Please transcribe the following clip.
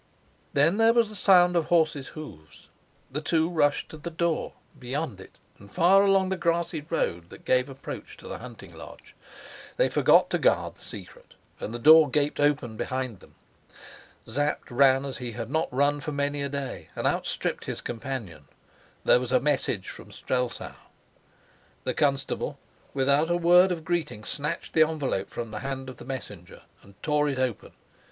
Then there was the sound of a horse's hoofs. The two rushed to the door, beyond it, and far along the grassy road that gave approach to the hunting lodge. They forgot to guard the secret and the door gaped open behind them. Sapt ran as he had not run for many a day, and outstripped his companion. There was a message from Strelsau! The constable, without a word of greeting, snatched the envelope from the hand of the messenger and tore it open.